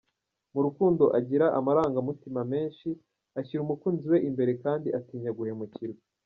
Mu rukundo agira amarangamutima menshi, ashyira umukunzi we imbere kandi atinya guhemukirwa.